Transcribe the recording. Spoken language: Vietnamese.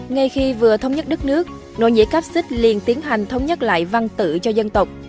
ngay khi vừa thống nhất đất nước nỗ nhĩ cáp xích liền tiến hành thống nhất lại văn tự cho dân tộc